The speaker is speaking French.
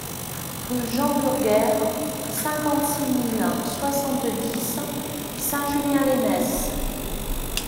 Rue Jean Burger, cinquante-sept mille soixante-dix Saint-Julien-lès-Metz